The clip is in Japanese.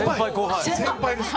先輩です！